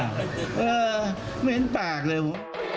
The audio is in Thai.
เออไม่เห็นปากเลยผม